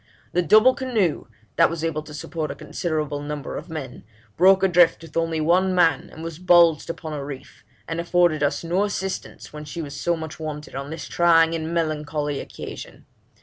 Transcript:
The double canoe, that was able to support a considerable number of men, broke adrift with only one man, and was bulged upon a reef, and afforded us no assistance when she was so much wanted on this trying and melancholy occasion.